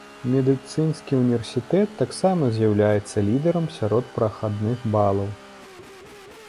Медыцынскі універсітэт таксама з'яўляецца лідэрам сярод прахадных балаў.